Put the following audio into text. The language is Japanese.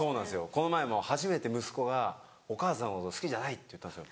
この前も初めて息子が「お母さんのこと好きじゃない」って言ったんですよ。